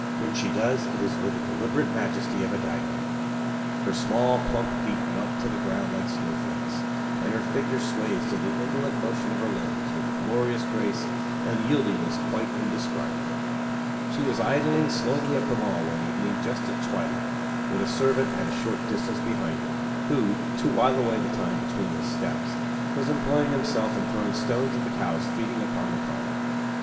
When she does, it is with the deliberate majesty of a Dido. Her small, plump feet melt to the ground like snowflakes; and her figure sways to the indolent motion of her limbs with a glorious grace and yieldingness quite indescribable. She was idling slowly up the Mall one evening just at twilight, with a servant at a short distance behind her, who, to while away the time between his steps, was employing himself in throwing stones at the cows feeding upon the Common.